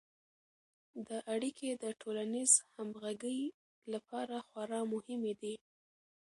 دا اړیکې د ټولنیز همغږي لپاره خورا مهمې دي.